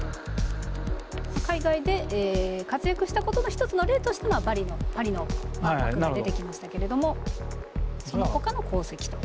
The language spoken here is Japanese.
海外で活躍したことの一つの例としてパリの万博が出てきましたけれどもそのほかの功績と。